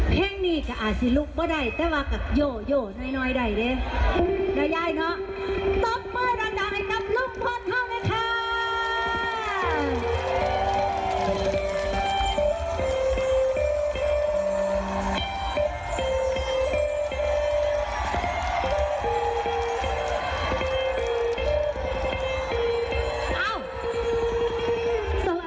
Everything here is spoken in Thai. เพียงนี้ก็อาจจะลุกบ่อได้แต่ว่าก็โยน้อยได้ดิแล้วยายเนอะ